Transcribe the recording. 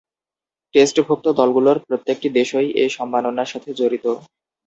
টেস্টভূক্ত দলগুলোর প্রত্যেকটি দেশই এ সম্মাননার সাথে জড়িত।